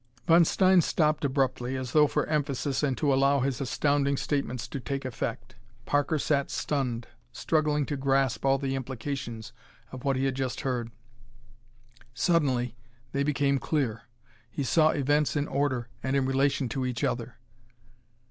Von Stein stopped abruptly, as though for emphasis and to allow his astounding statements to take effect. Parker sat stunned, struggling to grasp all the implications of what he had just heard. Suddenly they became clear. He saw events in order, and in relation to each other.